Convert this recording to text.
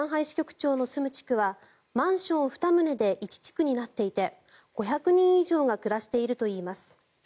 支局長の住む地区はマンション２棟で１地区になっていて５００人以上が暮らしているといいます。